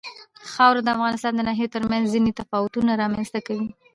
خاوره د افغانستان د ناحیو ترمنځ ځینې تفاوتونه رامنځ ته کوي.